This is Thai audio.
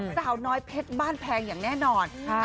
สาวน้อยเพชรบ้านแพงอย่างแน่นอน